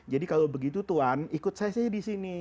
jadi kalau begitu tuhan ikut saya saja di sini